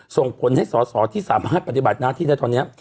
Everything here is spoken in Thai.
ส่งผลให้สอสอที่สามารถปฏิบัติหน้าที่ได้ตอนนี้